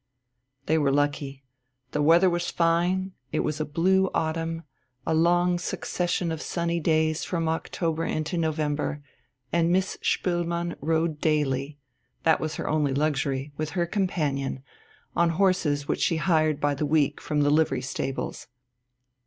They were lucky; the weather was fine, it was a blue autumn, a long succession of sunny days from October into November, and Miss Spoelmann rode daily that was her only luxury with her companion, on horses which she hired by the week from the livery stables.